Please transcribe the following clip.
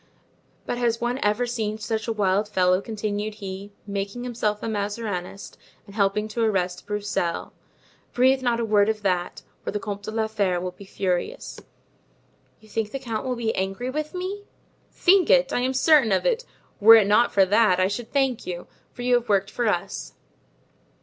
But has one ever seen such a wild fellow," continued he, "making himself a Mazarinist and helping to arrest Broussel! Breathe not a word of that, or the Comte de la Fere will be furious." "You think the count will be angry with me?" "Think it? I'm certain of it; were it not for that, I should thank you, for you have worked for us.